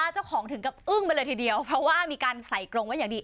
เจ้าของถึงกับอึ้งไปเลยทีเดียวเพราะว่ามีการใส่กรงไว้อย่างดี